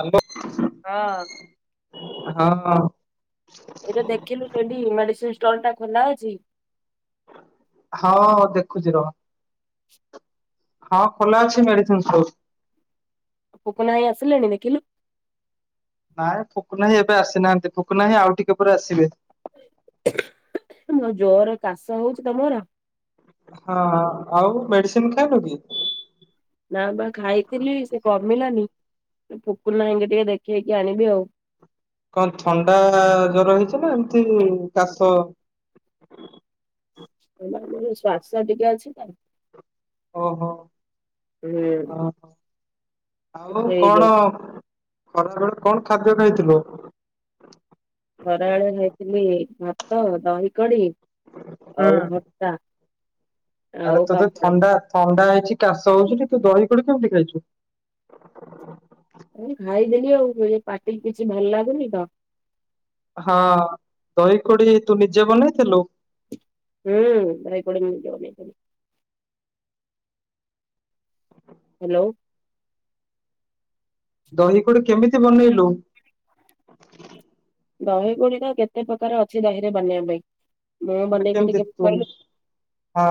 Hello. ହଁ। ହଁ। ଏବେ ଦେଖିଲୁ ସେଠି ମେଡିସିନ୍ ଷ୍ଟୋର୍ ଟା ଖୋଲା ଅଛି? ହଁ ଦେଖୁଛି ରହ। ହଁ ଖୋଲା ଅଛି ମେଡିସିନ୍ ଷ୍ଟୋର। ପୁପୁନ୍ ଭାଇ ଆସିଲେଣି ଦେଖିଲୁ? ନାଇଁ ପୁପୁନ୍ ଭାଇ ଏବେ ଆସିନାହାନ୍ତି। ପୁପୁନ୍ ଭାଇ ଆଉ ଟିକେ ପରେ ଆସିବେ। ମ ଜୋରେ କାଶ ହୋଉଛି ତ ମୋର୍। ହଁ ଆଉ ମେଡିସିନ୍ ଖାଇନୁ କି? ନା ପା ଖାଇଥିଲି ସେ କମିଲାନି। ପୁପୁନ୍ ଭାଇଙ୍କୁ ଟିକେ ଦେଖେଇକି ଆଣିବି ଆଉ। କଣ ଥଣ୍ଡା ଜର ହେଇଛି ନା ଏମିତି କାଶ? ନାଇଁ ନାଇଁ ମୋର ଶ୍ଵାସ ଟିକେ ଅଛି ତ। ଓଃ ହୋ। [unintelligible] ଆଉ ସେଇ କଣ ଯୋଉ ଖରା ବେଳେ କଣ ଖାଦ୍ୟ ଖାଇଥିଲୁ? ଖରା ବେଳେ ଖାଇ ଥିଲି ଭାତ ଦହି କଡି ହୁଁ ଆଉ ଭର୍ତ୍ତା। ଆରେ ଆଉ ତତେ ପାମ୍ପଡ ଥଣ୍ଡା ଥଣ୍ଡା ହେଇଚି କାଶ ହୋଉଚି। ତୁ ତୁ ତୁ ଦହି କୋଡ଼ି କଣ ପାଇଁ ଖାଇଚୁ? ଏଇ ଖାଇ ଦେଲି ଆଉ ଏ ପାଟି କି କିଛି ଭଲ୍ ଲାଗୁନି ତ। ହଁ। ଦହି କୋଡି ତୁ ନିଜେ ବନେଇ ଥିଲୁ? ହୁଁ। ଦହି କୋଡ଼ି ମୁଁ ନିଜେ ବନେଇ ଥିଲି। ହ୍ୟାଲୋ। ଦହି କୋଡ଼ି କେମିତି ବନେଇଲୁ? ଦହି କୋଡ଼ି ଟା କେତେ ପ୍ରକାର ଅଛି ଦହିରେ ବନେଇବା ପାଇଁ। ମୁଁ ମାନେ ବନେଇ ଥିଲି କେମିତି ତୁ କହିଲୁ?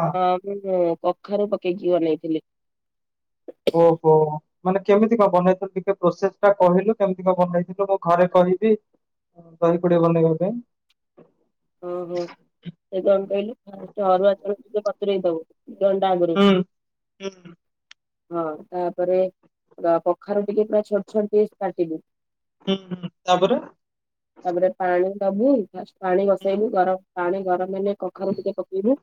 ହଁ ମୁଁ ତ ଏଇ କଖାରୁ ପକେଇକି ବନେଇ ଥିଲି। ଓଃ ହୋଃ। ମାନେ କେମିତି କଣ ବନେଇ ଥିଲୁ ଟିକେ ପ୍ରୋସେସ୍ ଟା କହିଲୁ କେମିତି କଣ ବନେଇ ଥିଲୁ? ମୁଁ ଘରେ କହିବି। ଉଁ, ଦହି କୋଡ଼ି ବନେଇବା ପାଇଁ। ଓ ହୋ। ସେ କଣ କହିଲୁ? ଫାଷ୍ଟେ ଅରୁଆ ଚାଉଳ ଟିକେ ବତୁରେଇ ଦବୁ। ଯଣ୍ଡଆ ମୁରି ହୁଁ ହୁଁ ହଁ। ତାପରେ କଖାରୁ ଥିଲେ ପୁରା ଛୋଟ୍ ଛୋଟ୍ ଫିସ୍ କାଟିବୁ। ହୁଁ ହୁଁ। ତାପରେ? ତାପରେ ପାଣି ଦବୁ। ଫାଷ୍ଟ୍ ପାଣି ବସେଇବୁ ଗରମ୍ ପାଣି ଗରମ୍ ହେଲେ କଖାରୁ ଟିକେ ପକେଇବୁ।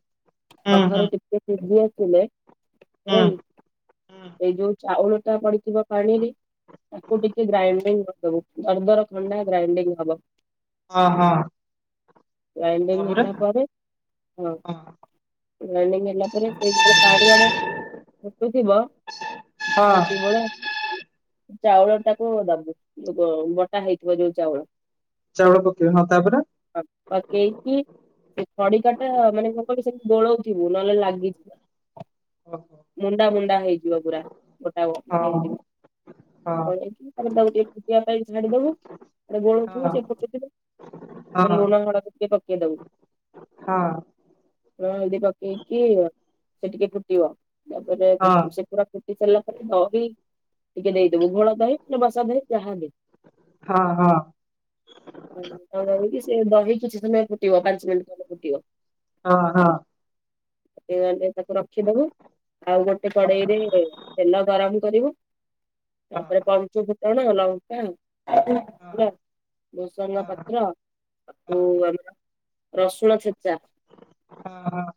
ହୁଁ ହୁଁ କଖାରୁ ଟିକେ ସିଝି ଆସିଲେ ହୁଁ ହେଲା କି ହୁଁ ଏଇ ଯୋଉ ଚାଉଳ ଟା ପଡି ଥିବ ପାଣିରେ ତାକୁ ଟିକେ ଗ୍ରାଇଣ୍ଡିଂ କରି ଦବୁ। ଦରଦର ଖଣ୍ଡା ଗ୍ରାଇଣ୍ଡିଂ ହବ। ହଁ ହଁ। ଗ୍ରାଇଣ୍ଡିଂ ତାପରେ ହେଲା ପରେ ହଁ। ଗ୍ରାଇଣ୍ଡିଂ ହେଲା ପରେ। ସେଇଟି ତମେ ପାଣି ଆଣିକି ଫୁଟୁ ଥିବ ହଁ ସେତିକି ବେଳେ ଚାଉଳ ଟାକୁ ଦବୁ। ଯୋଉ ବଟା ହେଇଥିବ ଯୋଉ ଚାଉଳ। ଚାଉଳ ପକେଇବି ହଁ। ତାପରେ? ପକେଇକି ସେ ଖଡ଼ିକା ଟା ମାନେ କଣ କହିଲୁ? ସେମିତି ଗୋଲୋଉଥିବୁ ନହେଲେ ଲାଗିଯିବ। ଓହୋ। ମୁଣ୍ଡା ମୁଣ୍ଡା ହେଇଯିବ ପୁରା ଗୋଟା ଗୋଟା ହଁ ହେଇଯିବ। ହଁ ତାପରେ ତାକୁ ଟିକିଏ ଶୁଖିବା ପାଇଁ ଛାଡ଼ି ଦବୁ। ଏପଟେ ଗୋଳଉ ଥିବୁ ହଁ ସେ ଫୁଟୁଥିବ ହଁ ଏପଟେ ଲୁଣ ପକେଇ ପକେଇ ଦେବୁ ହଁ। ଲୁଣ ହଳଦୀ ପକେଇକି ଆଁ ସେ ଟିକେ ଫୁଟିବ। ତାପରେ ହଁ ଦେଖିବୁ ସେ ପୁରା ସାରିଲା ପରେ ଦହି ଟିକେ ଦେଇଦବୁ ଘୋଳ ଦହି କି ବସା ଦହି ଯାହାବି। ହଁ ହଁ। ସେ ଦହି କିଛି ସମୟ ଫୁଟିବ ପାଞ୍ଚ ମିନିଟ ଫୁଟିବ। ହଁ ହଁ। [unintelligible] ରଖିଦବୁ ଆଉ ଗୋଟେ କଡେଇରେ ତେଲ ଗରମ କରିବୁ। ହଁ ତାପରେ ପଞ୍ଚ ଫୁଟଣ ଲଙ୍କା ହଁ ଭୂଷଙ୍ଗ ପତ୍ର। ଓ ଆମର ରସୁଣ ଛେଚା। ହଁ ହଁ,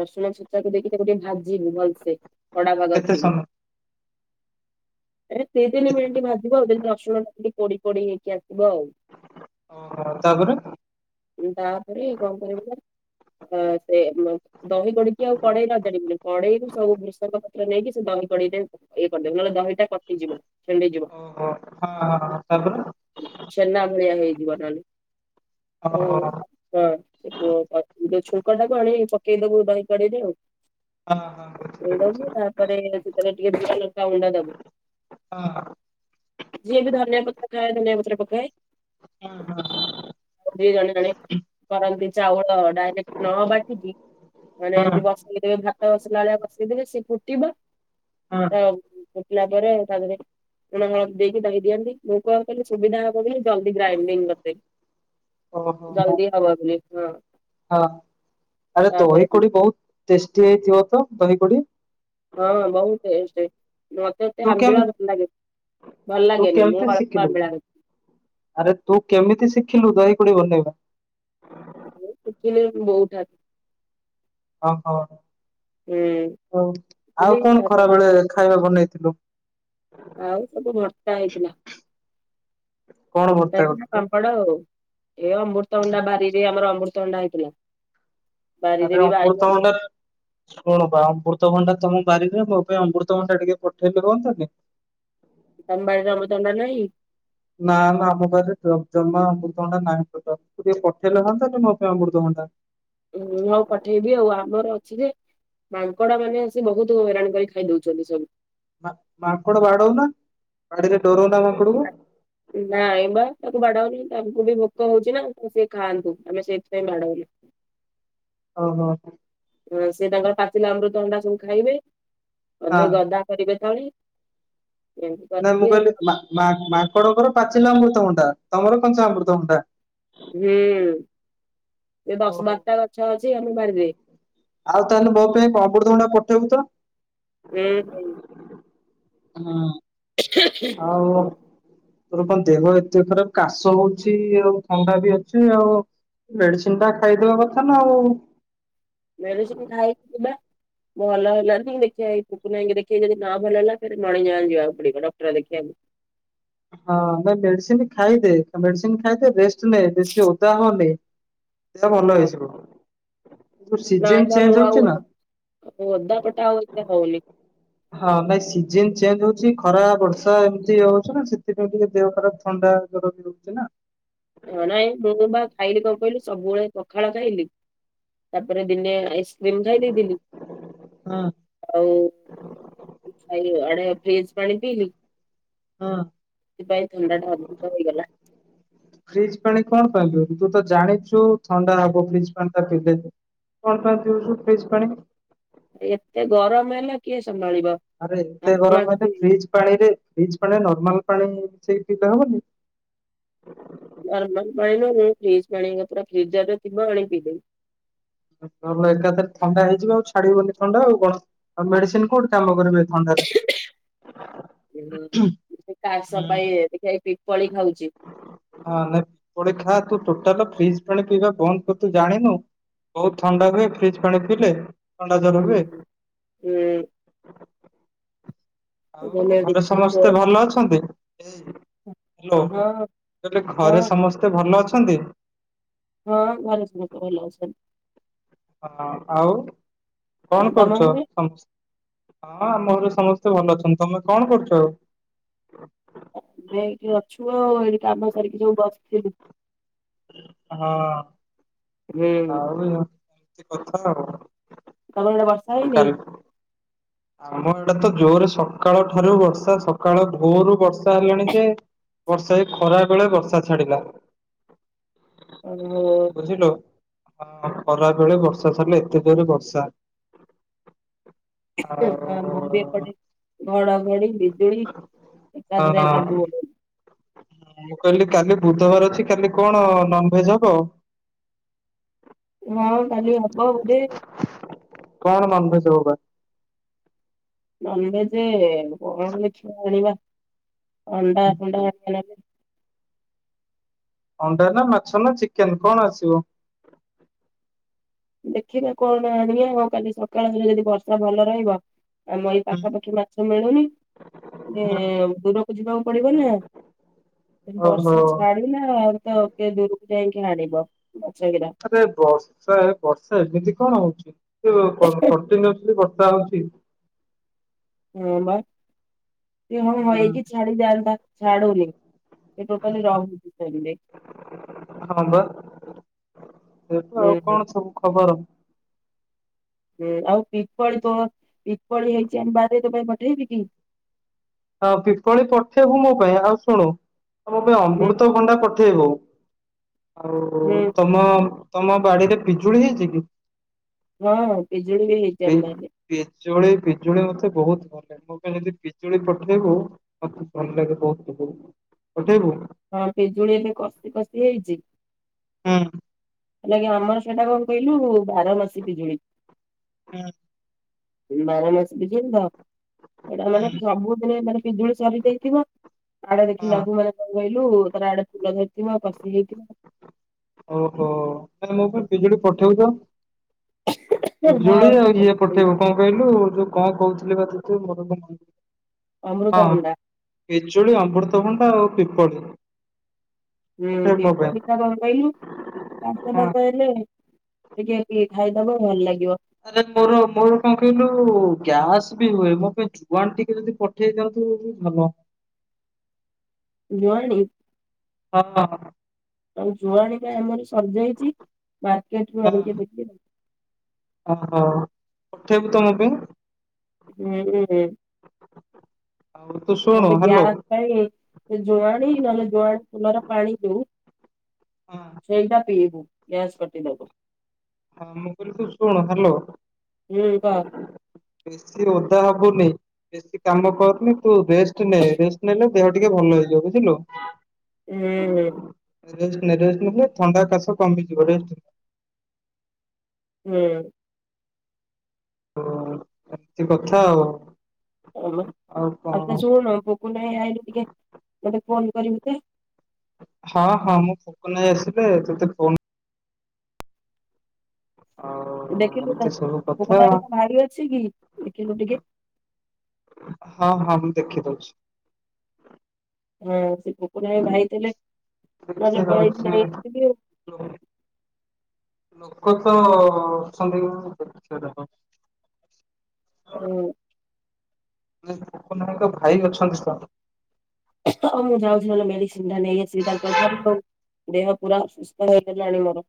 ରସୁଣ ଛେଚାକୁ ଦେଇକି ତାକୁ ଟିକେ ଭାଜିବୁ ଭଲସେ କଡା ଭାଗ କେତେ କରିବୁ ସମୟ ଏ ଦି ତିନି ମିନିଟ ଭାଜିବ ଆଉ ଯେମିତି ରସୁଣ ଟା ପୋଡି ପୋଡି ହେଇକି ଆସିବ ଆଉ। ଓହୋ ତାପରେ, ତାପରେ କଣ କରିବ ନା ସେ, ଦହି ପଡିକି ଆଉ କଡେଇ ବାଜାଡିବୁନି କଡେଇକୁ ସବୁ ବୃଷଙ୍ଗ ପତ୍ର ନେଇକି ସେ ଦହି କଡେଇ ଦବୁ। ଇଏ କରିଦେବ ନହେଲେ ଦହିଟା କଟିଯିବ। ଛିଣ୍ଡିଯିବ ଓହୋ ହଁ ହଁ ତାପରେ, ଛେନା ଭଳିଆ ହେଇଯିବ ନହେଲେ। ଓହୋ ଓ ହୋ ହଁ ଛୁଙ୍କଟାକୁ ଆଣି ପକେଇଦବୁ ଦହି କଢ଼େଇ ରେ ଆଉ। ପକେଇ ଦବୁ ତାପରେ ସେତବେ ଟିକେ ଜିରା ଲଙ୍କ ଗୁଣ୍ଡା ଦବୁ। ହଁ। ଯିଏ ବି ଧନିଆ ପତ୍ର ଖାଏ ଧନିଆ ପତ୍ର ପକାଏ। ହଁ ହଁ ହଁ। [unintelligible] ଜଣେ ଜଣେ କରନ୍ତି ଚାଉଳ ଡାଇରେକ୍ଟ୍ ନ ବାଟିକି। ମାନେ ଏମିତି ବସେଇଦେବେ ଭାତ ବସିଲା ଭଳିଆ ବସେଇଦେବେ ସିଏ ଫୁଟିବ। ତ ଫୁଟିଲା ପରେ ତା ଦେହରେ ଲୁଣ ହଳଦୀ ଦେଇକି ଦହି ଦିଅନ୍ତି। ମୁଁ କଣ କହିଲି ସୁବିଧା ହବ ବୋଲି ଜଲଦି ଗ୍ରାଇଣ୍ଡିଙ୍ଗ୍ କରିଦେବି। ହଁ ଜଲଦି ହବ ବୋଲିି ହଁ। ଆରେ ତାପରେ ଦହି କଡି ବହୁତ ଟେଷ୍ଟି ହେଇଥିବ ତ ଦହି କଡି। ହଁ ବହୁତ୍ ଟେଷ୍ଟେ। ମତ୍ ତେତେ ତୁ ଆମ୍ବିଳା କେମ ଭଲ ଲାଗେ ଭଲ ତୁ ଲାଗେନି। ମୁଁ କେମିତି ଅଳ୍ପ ଶିଖିଲୁ ଆମ୍ବିଳା ନଉଚି। ଆରେ ତୁ କେମିତି ଶିଖିଲୁ ଦହି କଡି ବନେଇବା? ମୁଁ ଶିଖିଲି ବୋଉଠାରୁ। ଓହୋ ହଉ ଆଉ ଶିଖିଲି କଣ ତାପରେ ଖରାବେଳେ ଖାଇବା ବନେଇଥିଲୁ? [unintelligible] ଆଉ ସବୁ ଭର୍ତ୍ତା ହେଇଥିଲା। କଣ ଭର୍ତ୍ତା [unintelligible] କରିଥିଲୁ ପାମ୍ପଡ ଆଉ। ଏ ଅମୃତ ଅଣ୍ଡା ବାରିରେ ଆମର ଅମୃତ ଅଣ୍ଡା ହେଇଥିଲା। ବାରିରେ ତତେ ବି ବାଇଗଣ ଅମୃତଭଣ୍ଡା ଶୁଣୁବା ଅମୃତଭଣ୍ଡା ତମ ବାରିରେ ମୋ ପାଇଁ ଅମୃତଭଣ୍ଡା ଟିକେ ପଠେଇଲେ ହୁଅନ୍ତାନି। ତମବାରିରେ ଅମୃତଭଣ୍ଡା ନାହିଁ। ନା ନା ଆମ ପାଖରେ ଏ ଜମା ଅମୃତଭଣ୍ଡା ନାହିଁ ଟୋଟାଲ୍। ତୁ ଟିକେ ପଠେଇଲେ ହୁଅନ୍ତାନି ମୋ ପାଇଁ ଅମୃତଭଣ୍ଡା। ମୁଁ ଆଉ ପଠେଇବି ଆଉ ଆମର ଅଛି ଯେ। ମାଙ୍କଡା ମାନେ ଆସି ବହୁତ ହଇରାଣ କରି ଖାଇଦଉଛନ୍ତି ସବୁ। ମାଙ୍କଡ ବାଡଉନ ବାଡିରେ ଡରଉନ ମାଙ୍କଡ କୁ [inaudible] ନାଇଁ ବା ତାକୁ ବାଡାଉନି ତାଙ୍କୁ ବି ଭୋକ ହଉଚି ନା ଆଉ ସିଏ ଖାଆନ୍ତୁ ଆମେ ସେଇଥିପାଇଁ ବାଡାଉନି। ଓହୋ। ହଁ ସେ ତାଙ୍କର ପାଚିଲା ଅମୃତଭଣ୍ଡା ସବୁ ଖାଇବେ। ହଁ ଅଧେ ଗଦା କରିବେ ତଳେ। ଏମିତି ନାଇଁ ମୁଁ କରନ୍ତି ଆଉ କହିଲି ମା-ମା ମାଙ୍କଡଙ୍କର ପାଚିଲା ଅମୃତଭଣ୍ଡା ତମର କଞ୍ଚା ଅମୃତଭଣ୍ଡା। ଏ ଏ ଦଶ ଓହୋ ବାରଟା ଗଛ ଅଛି ଆମେ ବାଡିରେ। ଆଉ ତାହେଲେ ମୋ ପାଇଁ ଅମୃତଭଣ୍ଡା ପଠେଇବୁ ତ। ଏ ହେଇ ହୁଁ। [unintelligible] ଆଉ ତୋର କଣ ଦେହ ଏତେ ଖରାପ କାଶ ହଉଛି ଆଉ ଥଣ୍ଡା ବି ଅଛି ଆଉ ମେଡିସିନ କଣ ଖାଇଦେବା କଥା ନା ଆଉ ମେଡିସିନ୍ ଖାଇଛି ବା। ଭଲ ହେଲାନି ଦେଖିବା ଏଇ ପୁପୁନୁ ଭାଇ ଙ୍କୁ ଦେଖେଇ ଯଦି ନ ଭଲ ହେଲା ପୁଣି [unintelligible] ଯା ଯିବାକୁ ପଡିବ ଡକ୍ଟର ଦେଖେଇବାକୁ। ହଁ ମେ ମେଡିସିନ ଖାଇଦେ ମେଡିସିନ ଖାଇଦେ ରେଷ୍ଟ୍ ନେ ବେଶୀ ଓଦା ହଅନି। ସେ ଭଲ ହଁ ହେଇଯିବ। ଯୋଉ ନାଇଁ ସିଜିନ ବା ମୁଁ ଚେଞ୍ଜ ଆଉ ହଉଚି ନା ଓଦା ପଟା ଆଉ ଏତେ ହଉନି। ହଁ ନାଇଁ ସିଜିନ ଚେଞ୍ଜ ହଉଚି ଖରା ବର୍ଷା ଏମିତି ହଉଚି ନା ସେଥିପାଇଁ ଟିକେ ଦେହ ଖରାପ ଥଣ୍ଡା [unintelligible] ଚି ନା? ଏ ଅଣା ଏ ବୋ ବା ଖାଇଲି କଁ କହିଲୁ ସବୁବେଳେ ପଖାଳ ଖାଇଲି ତାପରେ ଦିନେ ଆଇସ୍ ରିମ୍ ଖାଇ ଦେଇଥିଲି। ହୁଁ ଆଉ ଖାଇଲି ଆଡ଼େ ଫ୍ରିଜ୍ ପାଣି ପିଇଲି। ହୁଁ। ସେପାଇଁ ଥଣ୍ଡାଟା ଅଧିକ ହେଇଗଲା। ଫ୍ରିଜ୍ ପାଣି କଣ ପାଇଁ ପିଉଲୁ ତୁ ତ ଜାଣିଚୁ ଥଣ୍ଡା ହବ ଫ୍ରିଜ୍ ପାଣିଟା ପିଇଲେ। କଣ ପାଇଁ ପିଉଚୁ ଫ୍ରିଜ୍ ପାଣି? ଏତେ ଗରମ ହେଲେ କିଏ ସମ୍ଭାଳିବ? ଆରେ ଏତେ ଆତ୍ମା ଗରମ ହେଲେ ଖାଲି ଫ୍ରିଜ ପାଣିରେ ଫ୍ରିଜ୍ ପାଣିରେ ନର୍ମାଲ ପାଣି ମିଶେଇକି ପିଇଲେ ହବନି? ନର୍ମାଲ୍ ପାଣି ନୁହଁ ମୁଁ ଫ୍ରିଜ ପାଣି ପୁରା ଫ୍ରିଜର୍ ରେ ଥିବ ଆଣି ପିଇ ଦେବି। ଭଲ ଏକାଥରେ ଥଣ୍ଡା ହେଇଯିବ ଆଉ ଛାଡି଼ବନି ଥଣ୍ଡା ଆଉ କଣ ଆଉ ମେଡ଼ିସିନ୍ କୋଉଠି କାମ କରିବ ଏ ଥଣ୍ଡାରେ? ଏ ଦେଖିଆ ଏଇ ପି ପଳି ଖାଉଚି। ହଁ ନାଇଁ ତୁ କୋଳି ଖା ତୁ ଟୋଟାଲ ଫ୍ରିଜ ପାଣି ପିଇବା ବନ୍ଦ କର ତୁ ଜାଣିନୁ? ବହୁତ ଥଣ୍ଡା ହୁଏ ଫ୍ରିଜ୍ ପାଣି ପିଇଲେ। ଥଣ୍ଡା ଜର ଉମ୍ ହୁଏ। ହୁଁ। ଆଉ ଭଲ ଘରେ ମେଡିସିନ ଷ୍ଟୋର ସମସ୍ତେ ଭଲ ଅଛନ୍ତି? ଏ ହାଲୋ ହଁ କଲି ହଁ ଘରେ ସମସ୍ତେ ଭଲ ଅଛନ୍ତି? ହଁ ଘରେ ସମତେ ଭଲଅଛନ୍ତି। ହଁ ଆଉ କଣ ଆଉ ତମ କରୁଚ ଘରେ? ସମସ୍ ହଁ ଆମ ଘରେ ସମସ୍ତେ ଭଲ ଅଛନ୍ତି ତମେ କଣ କରୁଚ ଆଉ? ଆମେ ଏଇଠି ଅଛୁ ଆଉ ଏଇ କାମ ସାରିକି ସବୁ ବସିଥିଲୁ। ହଁ ହୁଁ ଆଉ ଏ ଏମିତି କଥା ଆଉ। ତମ ଆଡ଼େ ବର୍ଷା ଆଉ ହେଇନେଇଁ? କାଲି ଆମ ଆଡ଼େ ତ ଜୋରେ ସକାଳ ଠାରୁ ବର୍ଷା ସକାଳ ଭୋରୁ ବର୍ଷା ହେଲାଣି ଯେ ବର୍ଷା ଏଇ ଖରା ବେଳେ ବର୍ଷା ଛାଡ଼ିଲା। ଓହୋ। ବୁଝିଲୁ ହଁ ଖରାବେଳେ ବର୍ଷା ଛାଡ଼ିଲା ଏତେ ଜୋରେ ବର୍ଷା। ଆମର ବି ଆଉ ଏପଟେ ଘଡ଼ଘଡ଼ି ବି ଜୁଳି ଏକାଥରେ ହଁ ସବୁ ଗୋଟେ ମୁଁ କହିଲି କାଲି ବୁଧବାର ଅଛି କାଲି କଣ ନନ୍ ଭେଜ୍ ହବ? ହଁ କାଲି ହବ ବୋଧେ ଆଉ। କଣ ନନଭେଜ୍ ହବ ବା? ନନଭେଜେ କଣ ଲେଖିବା ଆଣିବା ଅଣ୍ଡା ଫଣ୍ଡା ଆଣିଆ ନହେଲେ ଅଣ୍ଡା ନାଁ ମାଛ ନାଁ ଚିକେନ୍ କଣ ଆସିବ? ଦେଖିବା କଣ ଆଣିଆ ଆଉ କାଲି ସଖାଳ ହେଲେ ଯଦି ବର୍ଷା ଭଲ ରହିବ ଆଉ ଏଇ ପାଖାପାଖି ମାଛ ମିଳୁନି ଦେ ଦୂରକୁ ଯିବାକୁ ପଡ଼ିବ ନା। ଯଦି ଓହୋ ବର୍ଷା ଛାଡ଼ିଲା ତ କିଏ ଦୂରୁକୁ ଯାଇକି ଆଣିବ ମାଛ ହେରା। ଆରେ ବର୍ଷା ଏ ବର୍ଷା ଏମିତି କଣ ହଉଚି? ମୋ କ କଣ୍ଟିନୁଅସଲି ବର୍ଷା ହଉଚି। ହଁ ବା। ଇଏ ହଉ ହଇକି ଛାଡ଼ି ଯାଆନ୍ତା ଛାଡୁ଼ନି ଏ ଟୋଟାଲି ରହୁଚି ସେମିତି। ହଁ ପା ଏଇଆ ତ ହୁଁ ଆଉ ହୁଁ କଣ ସବୁ ଖବର? ହୁଁ ଆଉ ପିପଳି ତୋହ ପିପଳି ହେଇଚି ଆମ ବାରିରେ ତୋ ପାଇଁ ପଠେଇବି କି? ହଁ ପିପଳି ପଠେଇବୁ ମୋ ପାଇଁ ଆଉ ଶୁଣୁ ମୋ ପାଇଁ ହୁଁ ଅମ୍ବୃତ ଭଣ୍ଡା ପଠେଇବୁ। ହୁଁ ଆଉ ତମ ତମ ବାଡ଼ିରେ ପିଜୁଳି ହେଇଚି କି? ହଁ ପଜୁଳି ବି ହେଇ ପି -ପିଜୁଳି ପିଜୁଳି ମତେ ବହୁତ ଭଲ। ମ ପାଇଁ ଯଦି ପିଜୁଳି ପଠେଇବୁ ମତେ ଭଲ ଲାଗେ ବହୁତ ପିଜୁଳି ପଠେଇବୁ। ହଁ ପିଜୁଳି ଏବେ କଷି କଷି ହେଇଚି। ହୁଁ ହେଲା କି ଆମର ସେଟା କଣ କହିଲୁ ବାରମାସୀ ପିଜୁଳି। ହୁଁ। ବାରମାସୀ ପିଜୁଳି ତ ସେଇଟା ମାନେ ହୁଁ। ସବୁଦିନେ ତାର ପିଜୁଳି ସରିଯାଇଥିବ। ଇଆଡେ ହଁ ଦେଖିଲା ବେକୁ ଇଆଡେ କଣ କହିଲୁ ତାର ଆଡ଼େ ପୂଜା ସରିଥିବ ବାସୀ ହେଇଥିବ। ଓହୋ ଦୋକାନକୁ କେବେଠୁ ପଠଉଛ? ପିଜୁଳି ହଁ ଆଉ ଇଏ ହଁ ପଠେଇବ। କଣ କହିଲୁ ଯୋଉ କଣ କହୁଥିଲି ବାଦକୁ ମୋର ମନେ ନାହିଁ। ଅମୃତଭଣ୍ଡା ପିଜୁଳି, ଅମୃତଭଣ୍ଡା ଆଉ ପିମ୍ପଳି। ହୁଁ ପଠେଇବୁ ମୋ ପାଇଁ ପିପଳି ଶାଗ ଉଣ୍ଡେଇଲୁ। ତାଙ୍କ ହଁ। ପାଗ ହେଲେ। ଟିକେ କି ଖାଇଦବ ଭଲ ଲାଗିବ। ଆରେ ମୋର କଣ କହିଲୁ ଗ୍ୟାସ୍ ବି ହୁଏ। ମୋ ପାଇଁ ଜୁଆଣି ଟିକେ ଯଦି ପ ପଠେଇ ଥାଆନ୍ତୁ ଯଦି ଭଲ। ଜୁଆଣି ହଁ ଆ ଜୁଆଣି ପା ଆମର ସରିଯାଇଚି। ମାର୍କେଟ ରୁ ଆଣିକି ଦେବେ। ଓହୋ ପଠେଇବୁ ତମ ପାଇଁ। ହୁଁ ହଁ ଆଉ ତୁ ଶୁଣୁ ମୋର ଗ୍ୟା ହ୍ୟାଲୋ ପାଇଁ ଜୁଆଣି ନହେଲେ ଜୁଆଣି ଫୁଲର ପାଣିକୁ ହଁ ସେଇଟା ପିଇବୁ ଗ୍ୟାସ୍ କଟେଇଦେବ। ହଁ ମୁଁ କୁହିଲି ତୁ ଶୁଣୁ ହେଲୋ। ହୁଁ କ ବେଶୀ ଓଦା ହବୁନି। ବେଶୀ କାମ କରନି ତୁ ରେଷ୍ଟ ନେ ରେଷ ନେଲେ ଦେହ ଟିକେ ଭଲ ହେଇଯିବ ବୁଝିଲୁ। ହୁଁ ରେଷ୍ଟ ନେ ରେଷ୍ଟ ନେଲେ ଥଣ୍ତା କାଶ କମିଯିବ। ରେଷ୍ଟ ନେ। ହୁଁ ହ ଏମିତି କଥା ଆଉ କଣ ଲ ଆଉ କଣ ଆଛା ଶୁଣୁ ପକୁନ୍ ଭାଇ ଆଇଲେ ଟିକେ ଗୋଟେ ଫୋନ୍ କରିମି ତେ ହଁ ହଁ ମୁଁ ଫୋକ ନେଇ ଆସିଲେ ତତେ ଫୋନ୍ ଆଉ ଏମିତି ସବୁ କଥା [unintelligible] ହଁ ହଁ ମୁଁ ଦେଖି ଦଉଛି। ହଁ ସେ କୁକୁର ହ ଭାଇ ଥିଲେ। ନହେଲେ ଦେଖିବାର ପଳେଇକି ଅଛି ଧାଇଁ ଆସିଲୁ। [inaudible] ଲୋକ ତ ଅଛନ୍ତି ଦେଖେ ରହ। ହୁଁ [inaudible] ଭାଇ ଅଛନ୍ତି ତ ଅ ହ ମୁଁ ଯାଉଛି ନହେଲେ ମେଡିସିନଟା ନେଇଆସିବି ତାଙ୍କ ଠାରୁ ଆଉ ଦେହ ପୁରା ସୁସ୍ଥ ହେଇଗଲାଣି ମୋର।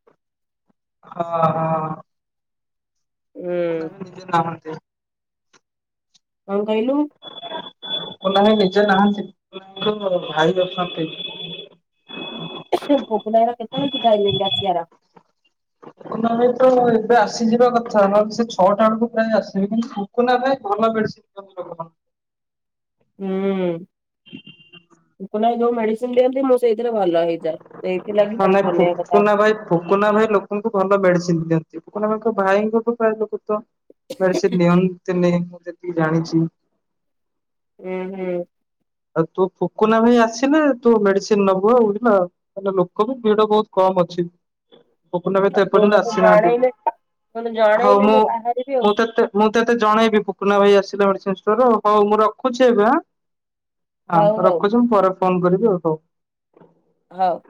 ହଁ ହଁ। ହୁଁ [unintelligible] କଣ କହିଲୁ? ଲୋକ ନାହି ନିଜେ ନାହାନ୍ତି ଭାଇ ଅଛନ୍ତି। ଫୁକୁନ ଭାଇ ର କେତେଳେ [unintelligible] କି ଡାଇଙ୍ଗାସିଆ ଟୁକୁନା ଏବେ ଆସିଯିବା କଥା ନଲେ ସେ ଛଅଟା ବେଳକୁ ପ୍ରାୟ ଆସିବି କିନ୍ତୁ ଫୁକୁନା ଭାଇ ଭଲ ମେଡ଼ିସିନ୍ [unintelligible] ହୁଁ ଟୁକୁନୁ ଭାଇ ଯୋଉ ମେଡିସିନ ଦିଅନ୍ତି ମୁଁ ସେଇଥିରେ ଭଲ ହେଇଯାଏ। ଏଇଥିଲାଗି ତାକୁ ଅନେଇବା କଥା। ଫୁୋକନା ଭାଇ ଲୋକଙ୍କୁ ଭଲ ମେଡିସିନ ଦିଅନ୍ତି ଫୁୋକନା ଭାଇଙ୍କ ଭାଇଙ୍କ ପ୍ରାୟ ଲୋକ ତ ମେଡିସିନି ନିଅନ୍ତିନୀ ମୁଁ ଯେତିକି ଜାଣିଛି। ହୁଁ ହୁଁ। ଆଉ ତୋ ଫୁକୁନା ଭାଇ ଆସିଲେ ତୁ ମେଡିସିନ ନବୁ ଆଉ ବୁଝିଲ। ଲୋକ ବି ଭିଡ ବହୁତ କମ୍ ଅଛି। ଫୁକୁନା ଭାଇ ଆଉ ତୁ ଏପର୍ଯ୍ୟନ୍ତ ମତେ ଆସିନାହାନ୍ତି ଜଣେଇଲେ ମତେ ହଉ ଜଣେଇଲେ ମୁଁ ବାହାରିବି ଆଉ। ମୁଁ ତତେ ମୁଁ ତତେ ଜଣେଇବି ଫୁକୁନା ଭାଇ ଆସିଲା ମେଡିସିନି ଷ୍ଟୋର ହଉ ମୁଁ ରଖୁଛି ଏବେଁ। ଆ ହଉ ହଉ ରଖୁଛି ମୁଁ ପରେ ଫୋନ କରିବି ଆଉ ହଉ। ହଉ।